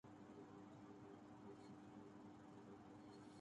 یہ امریکی سازش تھی کہ ان دونوں جنگوں کوگڈمڈ کرنے کی کوشش کی گئی۔